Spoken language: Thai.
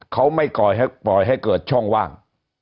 เขาไม่ปล่อยให้เกิดช่องว่าง